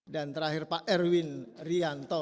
dan terakhir pak erwin rianto